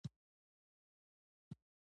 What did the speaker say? بلاخره په یو دېرش کال کې اوکتاویان بریالی شو